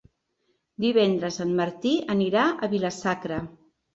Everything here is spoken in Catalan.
Divendres en Martí anirà a Vila-sacra.